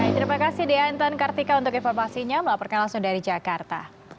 terima kasih dea intan kartika untuk informasinya melaporkan langsung dari jakarta